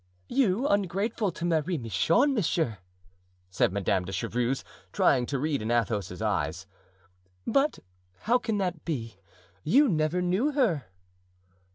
"You ungrateful to Marie Michon, monsieur?" said Madame de Chevreuse, trying to read in Athos's eyes. "But how can that be? You never knew her."